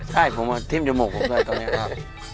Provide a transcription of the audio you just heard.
ใช่ผมมาทิ้มจมูกผมด้วยตอนนี้ครับ